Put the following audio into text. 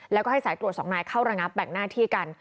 แล้วก็ให้สายตรวจสองนายเข้าระงับแบ่งหน้าที่กัน